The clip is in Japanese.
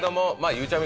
ゆうちゃみ